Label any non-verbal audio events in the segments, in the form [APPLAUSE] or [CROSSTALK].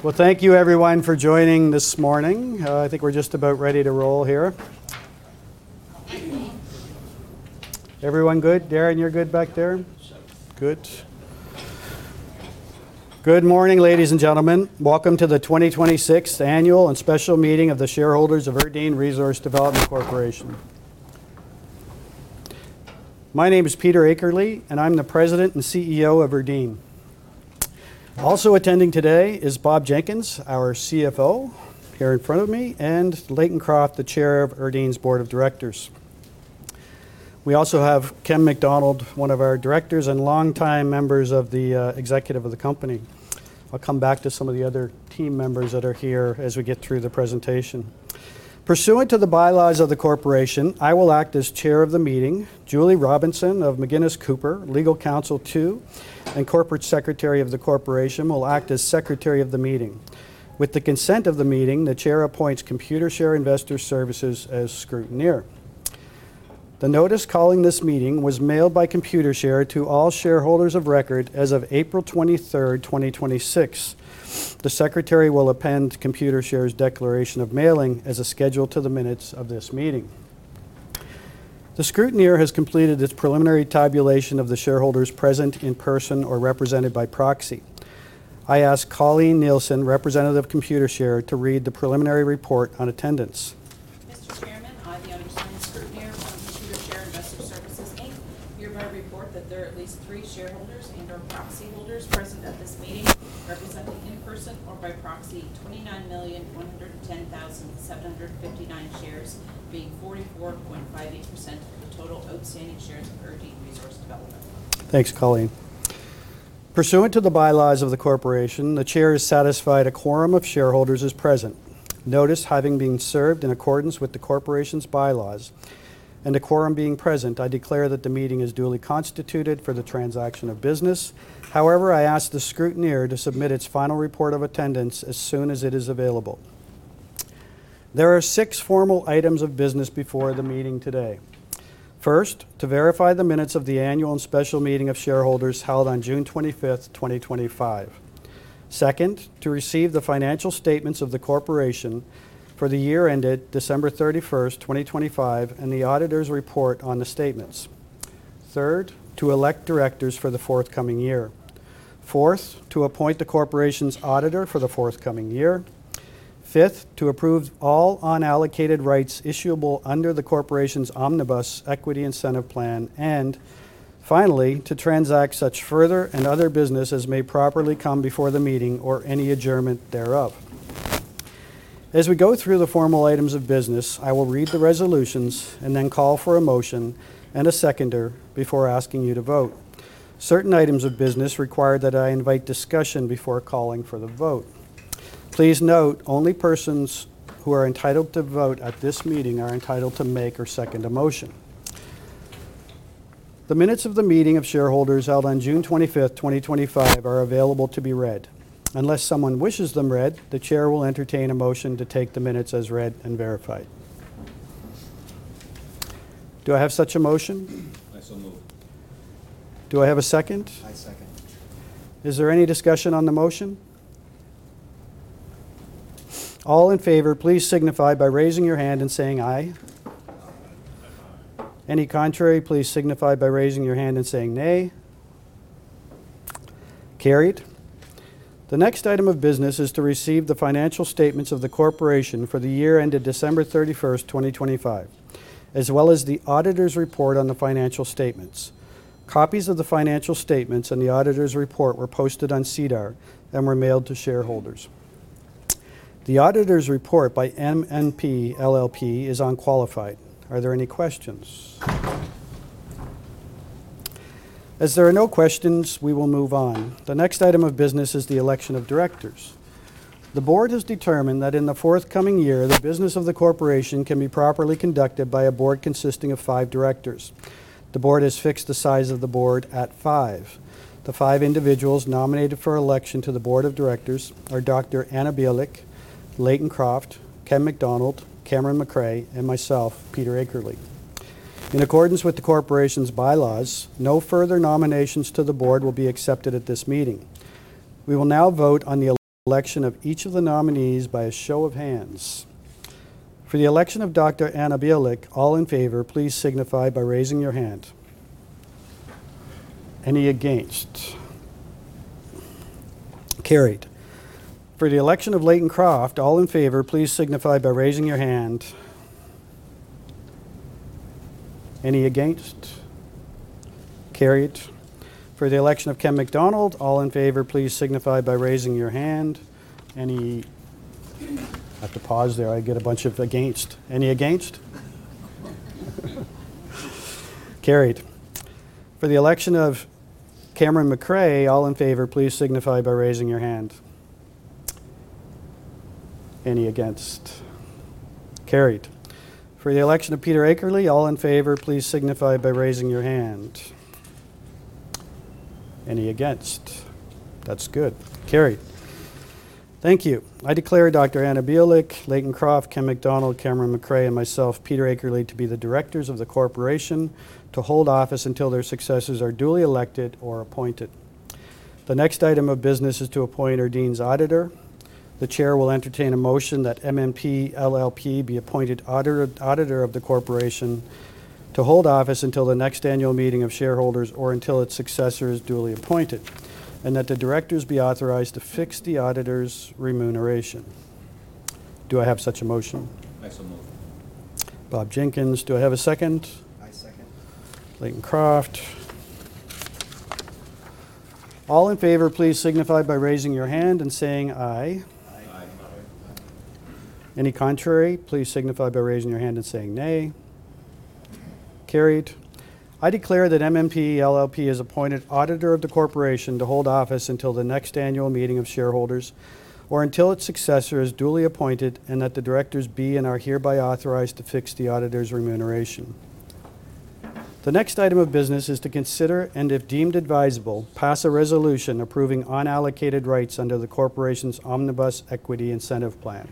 Well, thank you everyone for joining this morning. I think we're just about ready to roll here. Everyone good? Darryn, you're good back there? Good. Good morning, ladies and gentlemen. Welcome to the 2026 Annual and Special Meeting of the Shareholders of Erdene Resource Development Corporation. My name is Peter Akerley, and I'm the President and CEO of Erdene. Also attending today is Bob Jenkins, our CFO, here in front of me, and Layton Croft, the Chair of Erdene's board of directors. We also have Ken MacDonald, one of our directors and longtime members of the executive of the company. I'll come back to some of the other team members that are here as we get through the presentation. Pursuant to the bylaws of the corporation, I will act as chair of the meeting. Julie Robinson of McInnes Cooper, legal counsel to and corporate secretary of the corporation, will act as secretary of the meeting. With the consent of the meeting, the Chair appoints Computershare Investor Services as scrutineer. The notice calling this meeting was mailed by Computershare to all shareholders of record as of April 23rd, 2026. The secretary will append Computershare's declaration of mailing as a schedule to the minutes of this meeting. The scrutineer has completed its preliminary tabulation of the shareholders present in person or represented by proxy. I ask Colleen Nielsen, Representative of Computershare, to read the preliminary report on attendance. Mr. Chairman, I, the undersigned scrutineer from Computershare Investor Services Inc., hereby report that there are at least three shareholders and/or proxy holders present at this meeting representing, in person or by proxy, 29,110,759 shares, being 44.58% of the total outstanding shares of Erdene Resource Development. Thanks, Colleen. Pursuant to the bylaws of the corporation, the chair is satisfied a quorum of shareholders is present. Notice having been served in accordance with the corporation's bylaws and a quorum being present, I declare that the meeting is duly constituted for the transaction of business. I ask the scrutineer to submit its final report of attendance as soon as it is available. There are six formal items of business before the meeting today. First, to verify the minutes of the annual and special meeting of shareholders held on June 25th, 2025. Second, to receive the financial statements of the corporation for the year ended December 31st, 2025, and the auditor's report on the statements. Third, to elect directors for the forthcoming year. Fourth, to appoint the corporation's auditor for the forthcoming year. Fifth, to approve all unallocated rights issuable under the corporation's Omnibus Equity Incentive Plan. Finally, to transact such further and other business as may properly come before the meeting or any adjournment thereof. As we go through the formal items of business, I will read the resolutions and then call for a motion and a seconder before asking you to vote. Certain items of business require that I invite discussion before calling for the vote. Please note, only persons who are entitled to vote at this meeting are entitled to make or second a motion. The minutes of the meeting of shareholders held on June 25th, 2025, are available to be read. Unless someone wishes them read, the chair will entertain a motion to take the minutes as read and verified. Do I have such a motion? I so move. Do I have a second? I second. Is there any discussion on the motion? All in favor, please signify by raising your hand and saying aye. Aye. Aye. Any contrary, please signify by raising your hand and saying nay. Carried. The next item of business is to receive the financial statements of the corporation for the year ended December 31st, 2025, as well as the auditor's report on the financial statements. Copies of the financial statements and the auditor's report were posted on SEDAR and were mailed to shareholders. The auditor's report by MNP LLP is unqualified. Are there any questions? As there are no questions, we will move on. The next item of business is the election of directors. The board has determined that in the forthcoming year, the business of the corporation can be properly conducted by a board consisting of five directors. The board has fixed the size of the board at five. The five individuals nominated for election to the board of directors are Dr. Anna Biolik, Layton Croft, Ken MacDonald, Cameron McRae, and myself, Peter Akerley. In accordance with the corporation's bylaws, no further nominations to the board will be accepted at this meeting. We will now vote on the election of each of the nominees by a show of hands. For the election of Dr. Anna Biolik, all in favor, please signify by raising your hand. Any against? Carried. For the election of Layton Croft, all in favor, please signify by raising your hand. Any against? Carried. For the election Ken MacDonald, all in favor, please signify by raising your hand. Any I have to pause there. I get a bunch of against. Any against? Carried. For the election of Cameron McRae, all in favor, please signify by raising your hand. Any against? Carried. For the election of Peter Akerley, all in favor, please signify by raising your hand. Any against? That's good. Carried. Thank you. I declare Dr. Anna Biolik, Layton Croft, Ken MacDonald, Cameron McRae, and myself, Peter Akerley, to be the directors of the corporation to hold office until their successors are duly elected or appointed. The next item of business is to appoint Erdene's auditor. The chair will entertain a motion that MNP LLP be appointed auditor of the corporation to hold office until the next annual meeting of shareholders or until its successor is duly appointed, and that the directors be authorized to fix the auditor's remuneration. Do I have such a motion? I so move. Bob Jenkins. Do I have a second? I second. Layton Croft. All in favor, please signify by raising your hand and saying, "Aye. Aye. Any contrary, please signify by raising your hand and saying, "Nay." Carried. I declare that MNP LLP is appointed auditor of the corporation to hold office until the next annual meeting of shareholders or until its successor is duly appointed and that the directors be and are hereby authorized to fix the auditor's remuneration. The next item of business is to consider and, if deemed advisable, pass a resolution approving unallocated rights under the corporation's Omnibus Equity Incentive Plan.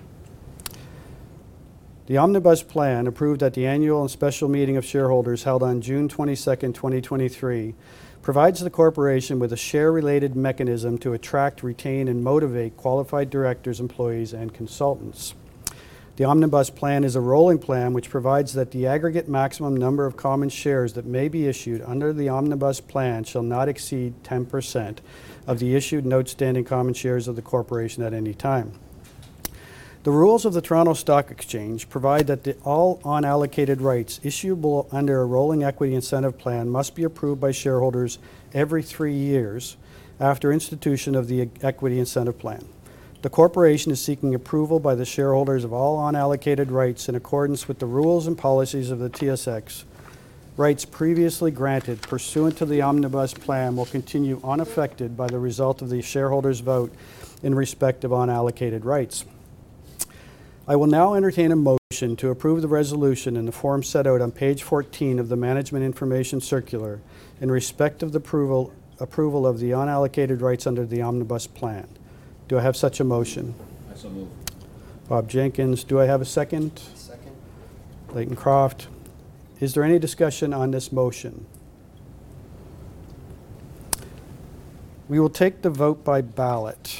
The Omnibus Plan, approved at the annual and special meeting of shareholders held on June 22nd, 2023, provides the corporation with a share-related mechanism to attract, retain, and motivate qualified directors, employees, and consultants. The Omnibus Plan is a rolling plan which provides that the aggregate maximum number of common shares that may be issued under the Omnibus Plan shall not exceed 10% of the issued and outstanding common shares of the corporation at any time. The rules of the Toronto Stock Exchange provide that all unallocated rights issuable under a rolling equity incentive plan must be approved by shareholders every three years after institution of the equity incentive plan. The corporation is seeking approval by the shareholders of all unallocated rights in accordance with the rules and policies of the TSX. Rights previously granted pursuant to the Omnibus Plan will continue unaffected by the result of the shareholders' vote in respect of unallocated rights. I will now entertain a motion to approve the resolution in the form set out on page 14 of the management information circular in respect of the approval of the unallocated rights under the Omnibus Plan. Do I have such a motion? I so move. Bob Jenkins. Do I have a second? Second. Layton Croft. Is there any discussion on this motion? We will take the vote by ballot.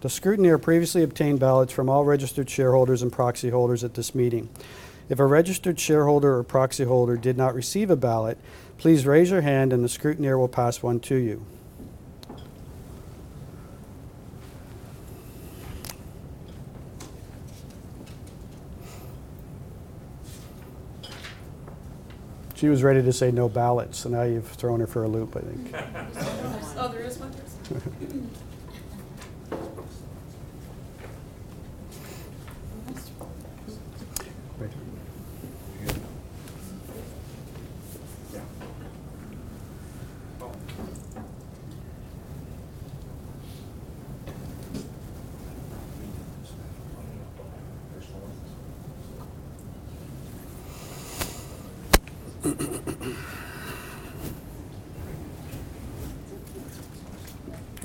The scrutineer previously obtained ballots from all registered shareholders and proxy holders at this meeting. If a registered shareholder or proxy holder did not receive a ballot, please raise your hand and the scrutineer will pass one to you. She was ready to say no ballots, so now you've thrown her for a loop, I think. Oh, there is one. We're okay? Yeah.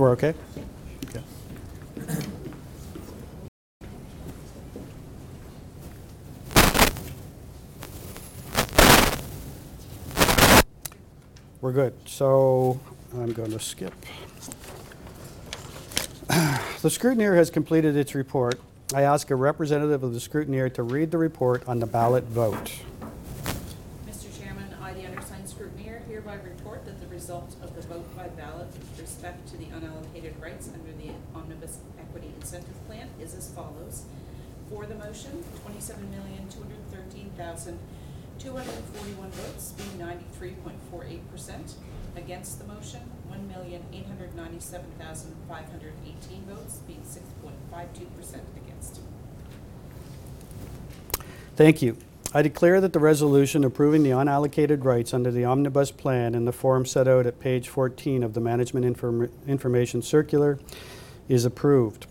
We're good. I'm going to skip. The scrutineer has completed its report. I ask a representative of the scrutineer to read the report on the ballot vote. Mr. Chairman, I, the undersigned scrutineer, hereby report that the result of the vote by ballot in respect to the unallocated rights under the Omnibus Equity Incentive Plan is as follows: For the motion, 27,213,241 votes, being 93.48%. Against the motion, 1,897,518 votes, being 6.52% against. Thank you. I declare that the resolution approving the unallocated rights under the Omnibus Plan in the form set out at page 14 of the management information circular is approved.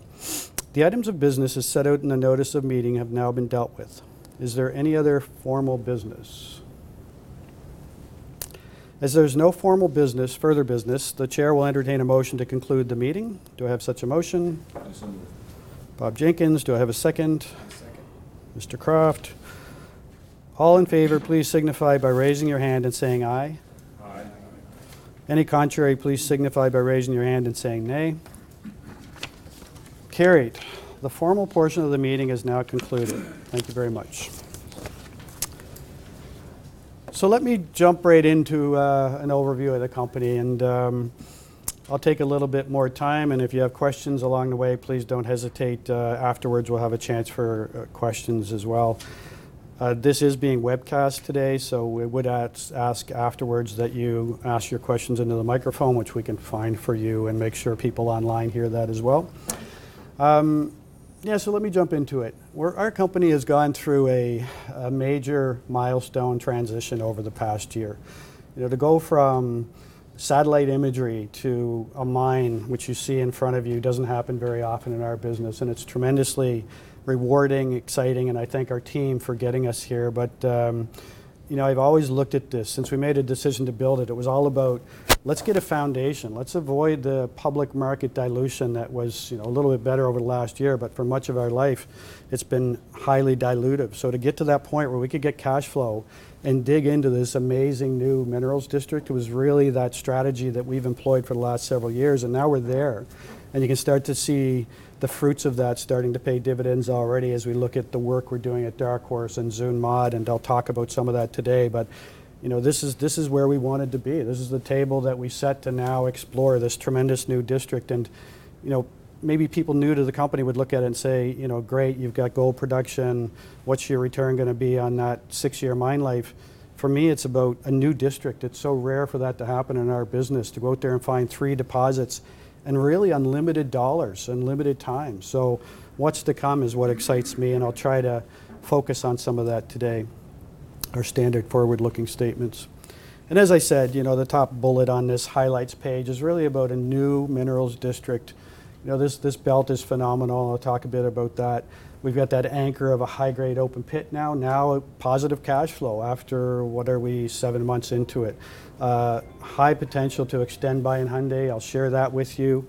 The items of business as set out in the notice of meeting have now been dealt with. Is there any other formal business? As there's no further business, the chair will entertain a motion to conclude the meeting. Do I have such a motion? I so move. Bob Jenkins. Do I have a second? I second. Mr. Croft. All in favor, please signify by raising your hand and saying, "Aye. Aye. Any contrary, please signify by raising your hand and saying, "Nay." Carried. The formal portion of the meeting is now concluded. Thank you very much. Let me jump right into an overview of the company, and I'll take a little bit more time, and if you have questions along the way, please don't hesitate. Afterwards, we'll have a chance for questions as well. This is being webcast today, so we would ask afterwards that you ask your questions into the microphone, which we can find for you and make sure people online hear that as well. Let me jump into it. Our company has gone through a major milestone transition over the past year. To go from satellite imagery to a mine, which you see in front of you, doesn't happen very often in our business, and it's tremendously rewarding, exciting, and I thank our team for getting us here. I've always looked at this, since we made a decision to build it was all about let's get a foundation. Let's avoid the public market dilution that was a little bit better over the last year, but for much of our life, it's been highly dilutive. To get to that point where we could get cash flow and dig into this amazing new minerals district, it was really that strategy that we've employed for the last several years, and now we're there. You can start to see the fruits of that starting to pay dividends already as we look at the work we're doing at Dark Horse and Zuun Mod, and I'll talk about some of that today. This is where we wanted to be. This is the table that we set to now explore this tremendous new district. Maybe people new to the company would look at it and say, "Great, you've got gold production." What's your return going to be on that six-year mine life? For me, it's about a new district. It's so rare for that to happen in our business, to go out there and find three deposits and really unlimited dollars, unlimited time. What's to come is what excites me, and I'll try to focus on some of that today. Our standard forward-looking statements. As I said, the top bullet on this highlights page is really about a new minerals district. This belt is phenomenal. I'll talk a bit about that. We've got that anchor of a high-grade open pit now a positive cash flow after, what are we, seven months into it. High potential to extend Bayan Khundii. I'll share that with you.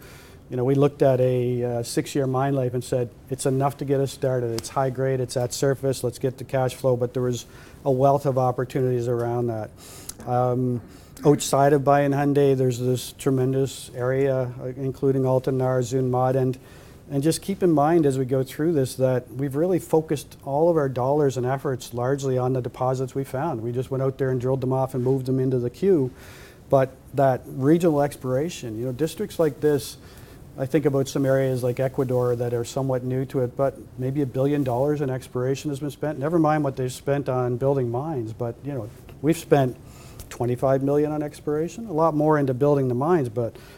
We looked at a six-year mine life and said, "It's enough to get us started." It's high grade, it's at surface. Let's get the cash flow. There was a wealth of opportunities around that. Outside of Bayan Khundii, there's this tremendous area, including Altan Nar, Zuun Mod, and just keep in mind as we go through this that we've really focused all of our dollars and efforts largely on the deposits we found. We just went out there and drilled them off and moved them into the queue. That regional exploration, districts like this, I think about some areas like Ecuador that are somewhat new to it, maybe 1 billion dollars in exploration has been spent. Never mind what they've spent on building mines, we've spent 25 million on exploration, a lot more into building the mines,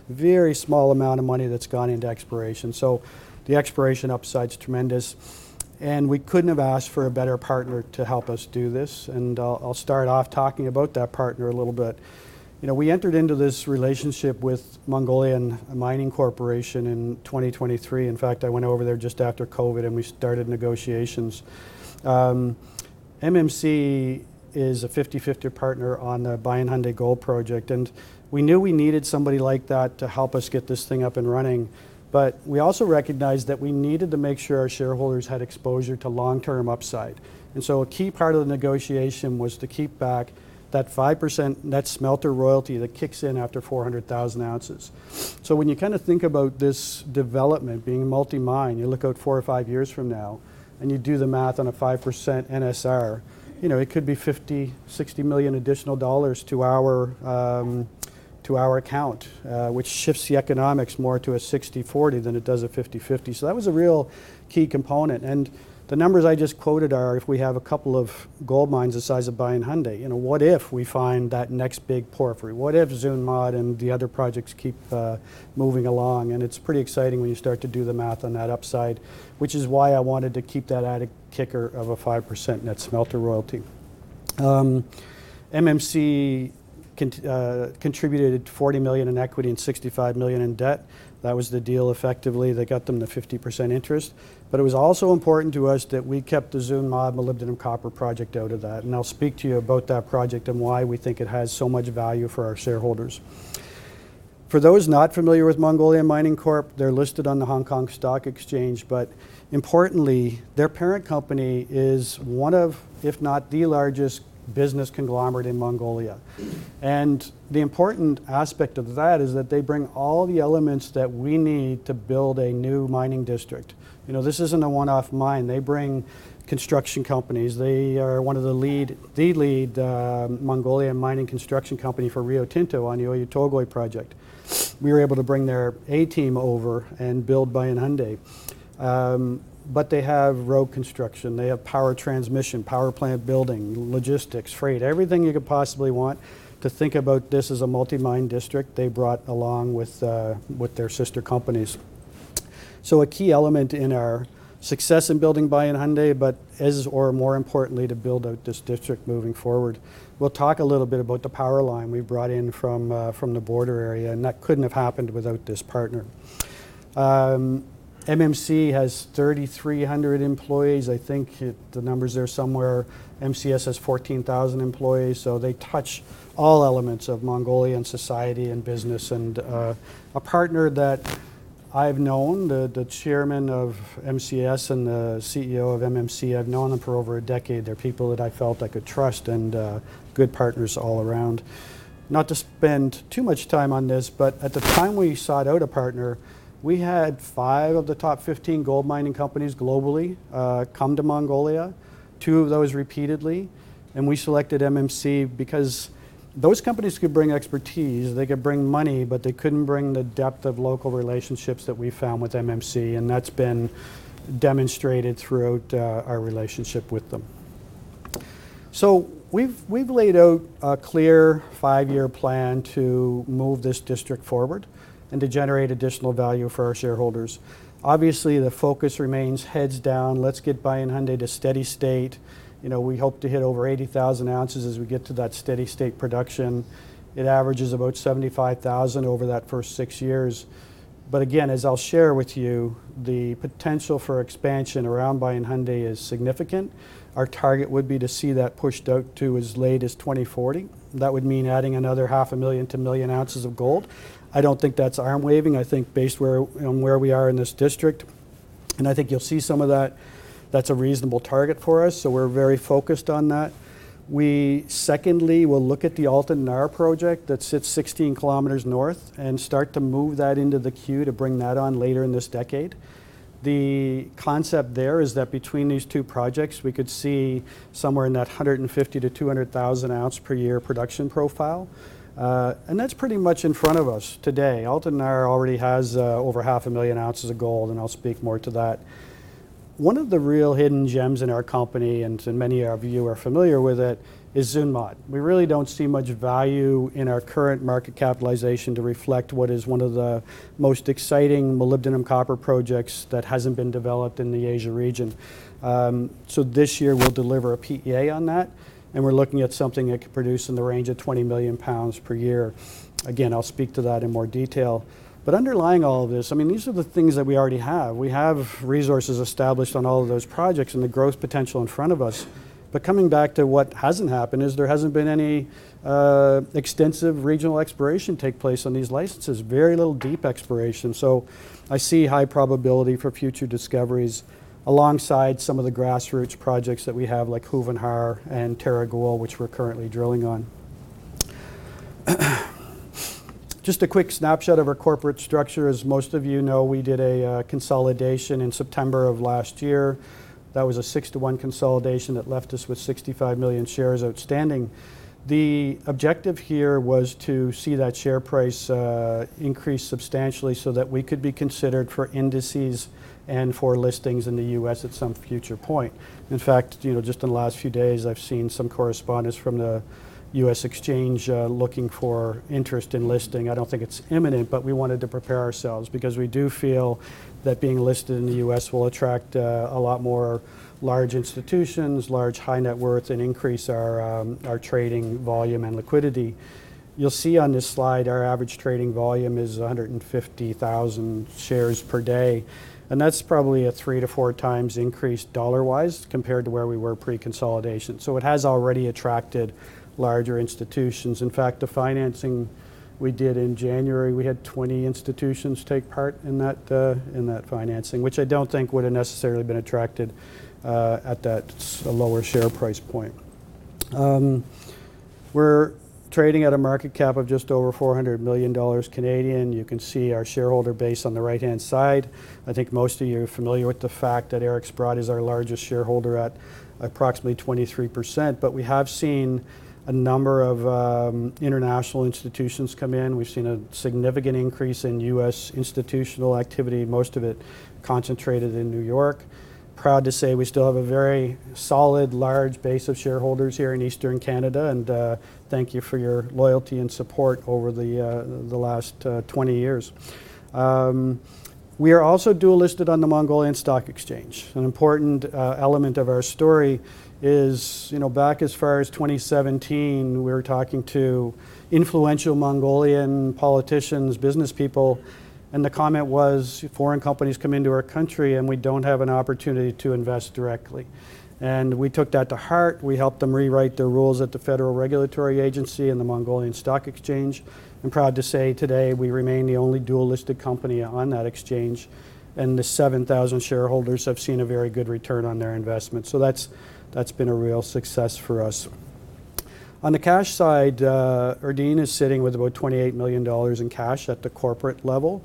very small amount of money that's gone into exploration. The exploration upside's tremendous. We couldn't have asked for a better partner to help us do this, and I'll start off talking about that partner a little bit. We entered into this relationship with Mongolian Mining Corporation in 2023. In fact, I went over there just after COVID, and we started negotiations. MMC is a 50/50 partner on the Bayan Khundii Gold Project. We knew we needed somebody like that to help us get this thing up and running. We also recognized that we needed to make sure our shareholders had exposure to long-term upside. A key part of the negotiation was to keep back that 5% net smelter royalty that kicks in after 400,000 ounces. When you think about this development being multi-mine, you look out four or five years from now, and you do the math on a 5% NSR, it could be 50 million, 60 million additional dollars to our account, which shifts the economics more to a 60/40 than it does a 50/50. That was a real key component, and the numbers I just quoted are if we have a couple of gold mines the size of Bayan Khundii. What if we find that next big porphyry? What if Zuun Mod and the other projects keep moving along? It's pretty exciting when you start to do the math on that upside, which is why I wanted to keep that added kicker of a 5% net smelter royalty. MMC contributed 40 million in equity and 65 million in debt. That was the deal, effectively, that got them the 50% interest, but it was also important to us that we kept the Zuun Mod molybdenum-copper project out of that, and I'll speak to you about that project and why we think it has so much value for our shareholders. For those not familiar with Mongolian Mining Corporation, they're listed on the Hong Kong Stock Exchange, but importantly, their parent company is one of, if not the largest business conglomerate in Mongolia. The important aspect of that is that they bring all the elements that we need to build a new mining district. This isn't a one-off mine. They bring construction companies. They are the lead Mongolian mining construction company for Rio Tinto on the Oyu Tolgoi project. We were able to bring their A team over and build Bayan Khundii. They have road construction, they have power transmission, power plant building, logistics, freight, everything you could possibly want to think about this as a multi-mine district, they brought along with their sister companies. A key element in our success in building Bayan Khundii, but as or more importantly, to build out this district moving forward. We'll talk a little bit about the power line we brought in from the border area, and that couldn't have happened without this partner. MMC has 3,300 employees. I think the numbers are somewhere, MCS has 14,000 employees, so they touch all elements of Mongolian society and business. A partner that I've known, the chairman of MCS and the CEO of MMC, I've known them for over a decade. They're people that I felt I could trust and good partners all around. Not to spend too much time on this, but at the time we sought out a partner, we had five of the top 15 gold mining companies globally come to Mongolia, two of those repeatedly, and we selected MMC because those companies could bring expertise, they could bring money, but they couldn't bring the depth of local relationships that we found with MMC, and that's been demonstrated throughout our relationship with them. We've laid out a clear five-year plan to move this district forward and to generate additional value for our shareholders. Obviously, the focus remains heads down. Let's get Bayan Khundii to steady state. We hope to hit over 80,000 ounces as we get to that steady state production. It averages about 75,000 over that first six years. Again, as I'll share with you, the potential for expansion around Bayan Khundii is significant. Our target would be to see that pushed out to as late as 2040. That would mean adding another half a million to a million ounces of gold. I don't think that's arm waving, I think based on where we are in this district, and I think you'll see some of that's a reasonable target for us. We're very focused on that. We secondly, will look at the Altan Nar project that sits 16 km north and start to move that into the queue to bring that on later in this decade. The concept there is that between these two projects, we could see somewhere in that 150,000 to 200,000-ounce per year production profile. That's pretty much in front of us today. Altan Nar already has over half a million ounces of gold, and I'll speak more to that. One of the real hidden gems in our company, and so many of you are familiar with it, is Zuun Mod. We really don't see much value in our current market capitalization to reflect what is one of the most exciting molybdenum-copper projects that hasn't been developed in the Asia region. This year we'll deliver a PEA on that, and we're looking at something that could produce in the range of 20 million pounds per year. Again, I'll speak to that in more detail. Underlying all of this, these are the things that we already have. We have resources established on all of those projects and the growth potential in front of us. Coming back to what hasn't happened is there hasn't been any extensive regional exploration take place on these licenses. Very little deep exploration. I see high probability for future discoveries alongside some of the grassroots projects that we have, like Khuvyn Khar and Tereg Uul, which we're currently drilling on. Just a quick snapshot of our corporate structure. As most of you know, we did a consolidation in September of last year. That was a six to one consolidation that left us with 65 million shares outstanding. The objective here was to see that share price increase substantially so that we could be considered for indices and for listings in the U.S. at some future point. In fact, just in the last few days, I've seen some correspondence from the US Exchange, looking for interest in listing. I don't think it's imminent, but we wanted to prepare ourselves because we do feel that being listed in the U.S. will attract a lot more large institutions, large high net worths, and increase our trading volume and liquidity. You'll see on this slide our average trading volume is 150,000 shares per day, and that's probably a three to four times increase dollar-wise compared to where we were pre-consolidation. It has already attracted larger institutions. In fact, the financing we did in January, we had 20 institutions take part in that financing, which I don't think would have necessarily been attracted at that lower share price point. We're trading at a market cap of just over 400 million Canadian dollars. You can see our shareholder base on the right-hand side. I think most of you are familiar with the fact that Eric Sprott is our largest shareholder at approximately 23%, but we have seen a number of international institutions come in. We've seen a significant increase in U.S. institutional activity, most of it concentrated in New York. Proud to say we still have a very solid, large base of shareholders here in Eastern Canada, and thank you for your loyalty and support over the last 20 years. We are also dual-listed on the Mongolian Stock Exchange. An important element of our story is back as far as 2017, we were talking to influential Mongolian politicians, business people, and the comment was, "Foreign companies come into our country, and we don't have an opportunity to invest directly." We took that to heart. We helped them rewrite the rules at the Financial Regulatory Commission and the Mongolian Stock Exchange, proud to say today we remain the only dual-listed company on that exchange, the 7,000 shareholders have seen a very good return on their investment. That's been a real success for us. On the cash side, Erdene is sitting with about 28 million dollars in cash at the corporate level,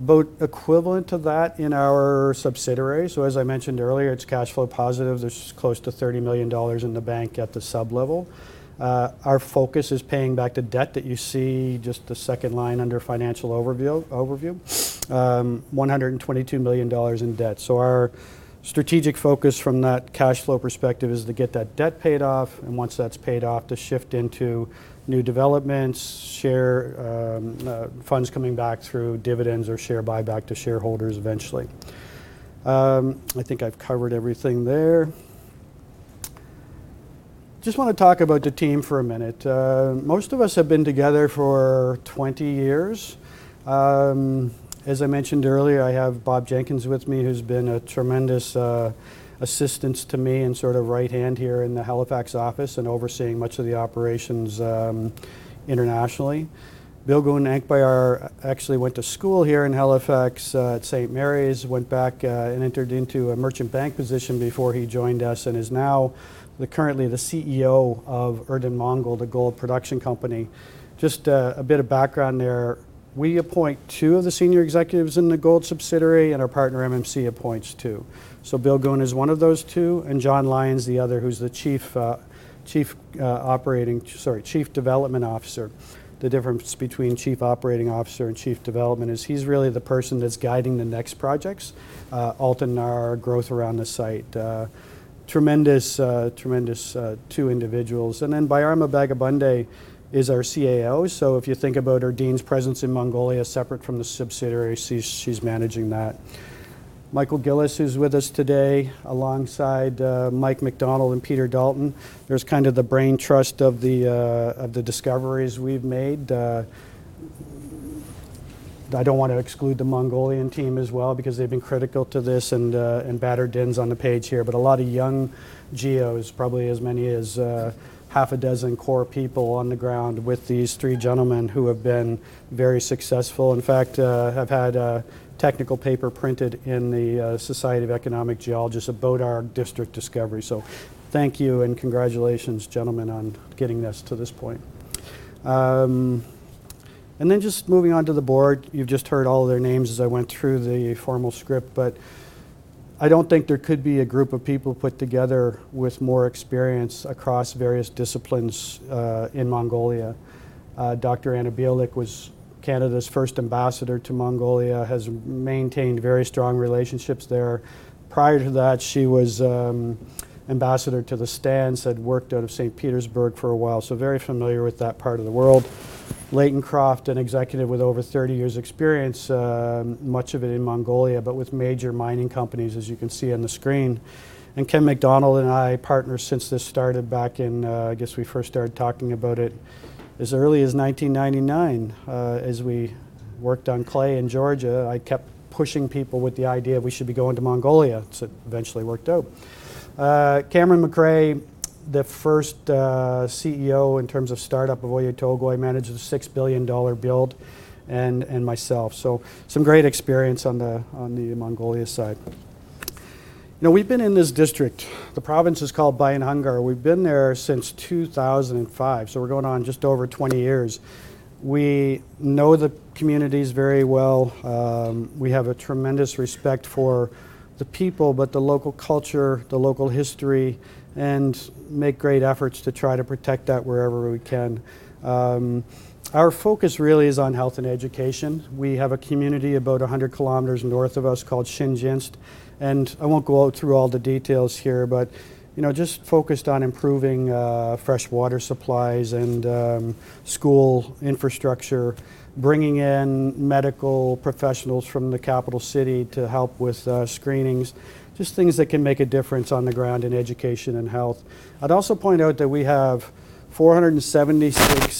about equivalent to that in our subsidiary. As I mentioned earlier, it's cash flow positive. There's close to 30 million dollars in the bank at the sub-level. Our focus is paying back the debt that you see just the second line under financial overview, 122 million dollars in debt. Our strategic focus from that cash flow perspective is to get that debt paid off, and once that's paid off, to shift into new developments, share funds coming back through dividends or share buyback to shareholders eventually. I think I've covered everything there. I just want to talk about the team for a minute. Most of us have been together for 20 years. As I mentioned earlier, I have Bob Jenkins with me, who's been a tremendous assistance to me and sort of right hand here in the Halifax office and overseeing much of the operations internationally. Bilguun Ankhbayar actually went to school here in Halifax at St. Mary's, went back and entered into a merchant bank position before he joined us and is now currently the CEO of Erdene Mongol, the gold production company. Just a bit of background there. We appoint two of the senior executives in the gold subsidiary, and our partner MMC appoints two. Bilguun is one of those two, and Jon Lyons the other, who's the Chief Development Officer. The difference between Chief Operating Officer and Chief Development is he's really the person that's guiding the next projects, Altan Nar growth around the site. Tremendous two individuals. Bayarmaa Bagabandi is our CAO, so if you think about Erdene's presence in Mongolia, separate from the subsidiary, she's managing that. Michael Gillis, who's with us today, alongside Michael MacDonald and Peter Dalton. There's kind of the brain trust of the discoveries we've made. I don't want to exclude the Mongolian team as well because they've been critical to this, and Bayarmaa B's on the page here. A lot of young geos, probably as many as half a dozen core people on the ground with these three gentlemen, who have been very successful, in fact, have had a technical paper printed in the Society of Economic Geologists about our district discovery. Thank you, and congratulations, gentlemen, on getting this to this point. Just moving on to the board. You've just heard all of their names as I went through the formal script, but I don't think there could be a group of people put together with more experience across various disciplines in Mongolia. Dr. Anna Biolik was Canada's first ambassador to Mongolia, has maintained very strong relationships there. Prior to that, she was ambassador to the Stans, had worked out of St. Petersburg for a while, so very familiar with that part of the world. Layton Croft, an executive with over 30 years experience, much of it in Mongolia, with major mining companies, as you can see on the screen. Ken MacDonald and I, partners since this started back in, I guess we first started talking about it as early as 1999, as we worked on clay in Georgia. I kept pushing people with the idea we should be going to Mongolia, it eventually worked out. Cameron McRae, the first CEO in terms of startup of Oyu Tolgoi, managed a 6 billion dollar build, and myself. Some great experience on the Mongolia side. Now, we've been in this district, the province is called Bayankhongor. We've been there since 2005, we're going on just over 20 years. We know the communities very well. We have a tremendous respect for the people, but the local culture, the local history, and make great efforts to try to protect that wherever we can. Our focus really is on health and education. We have a community about 100 km north of us called Shinejinst. I won't go through all the details here, but just focused on improving fresh water supplies and school infrastructure, bringing in medical professionals from the capital city to help with screenings, just things that can make a difference on the ground in education and health. I'd also point out that we have 476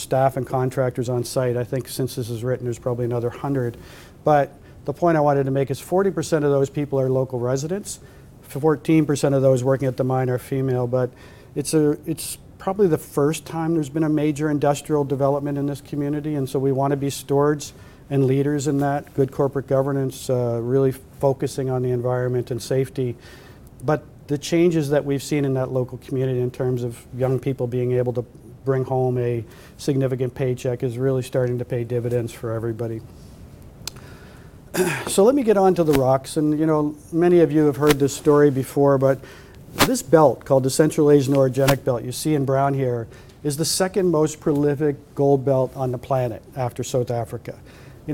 staff and contractors on site. I think since this was written, there's probably another 100. The point I wanted to make is 40% of those people are local residents. 14% of those working at the mine are female. It's probably the first time there's been a major industrial development in this community, and so we want to be stewards and leaders in that. Good corporate governance, really focusing on the environment and safety. The changes that we've seen in that local community in terms of young people being able to bring home a significant paycheck is really starting to pay dividends for everybody. Let me get onto the rocks. Many of you have heard this story before, but this belt, called the Central Asian Orogenic Belt you see in brown here, is the second most prolific gold belt on the planet after South Africa.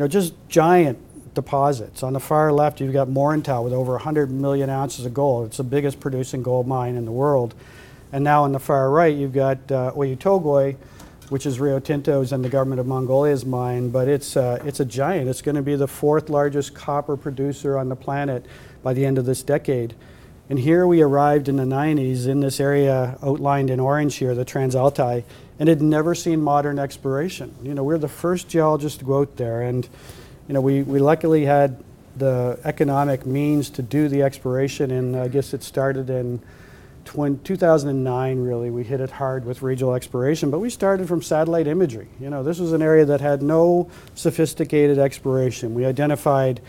Just giant deposits. On the far left, you've got Muruntau, with over 100 million ounces of gold. It's the biggest producing gold mine in the world. Now on the far right, you've got Oyu Tolgoi, which is Rio Tinto's and the government of Mongolia's mine. It's a giant. It's going to be the fourth largest copper producer on the planet by the end of this decade. Here we arrived in the '90s in this area outlined in orange here, the Trans Altai. It had never seen modern exploration. We're the first geologists to go out there. We luckily had the economic means to do the exploration in, I guess it started in 2009, really. We hit it hard with regional exploration. We started from satellite imagery. This was an area that had no sophisticated exploration. We identified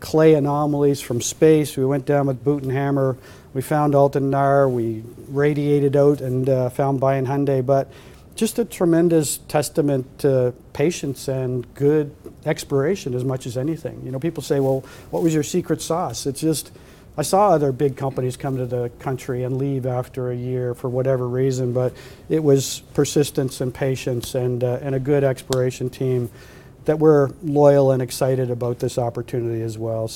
clay anomalies from space. We went down with boot and hammer. We found Altan Nar. We radiated out and found Bayan Khundii. Just a tremendous testament to patience and good exploration as much as anything. People say, "Well, what was your secret sauce?" It's just I saw other big companies come to the country and leave after a year for whatever reason. It was persistence and patience and a good exploration team that were loyal and excited about this opportunity as well.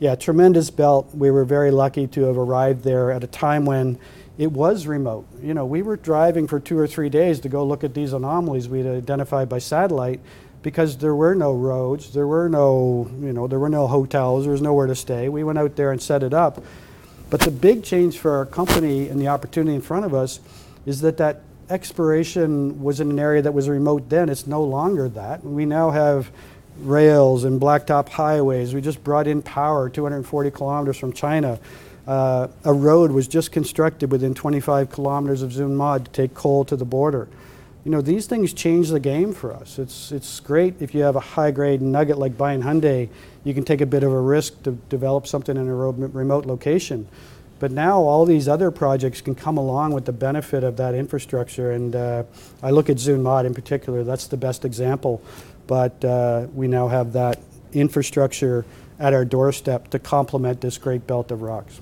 Yeah, tremendous belt. We were very lucky to have arrived there at a time when it was remote. We were driving for two or three days to go look at these anomalies we'd identified by satellite because there were no roads. There were no hotels. There was nowhere to stay. We went out there and set it up. The big change for our company and the opportunity in front of us is that that exploration was in an area that was remote then. It's no longer that. We now have rails and blacktop highways. We just brought in power 240 km from China. A road was just constructed within 25 km of Zuun Mod to take coal to the border. These things change the game for us. It's great if you have a high-grade nugget like Bayan Khundii. You can take a bit of a risk to develop something in a remote location. Now all these other projects can come along with the benefit of that infrastructure, and I look at Zuun Mod in particular. That's the best example. We now have that infrastructure at our doorstep to complement this great belt of rocks.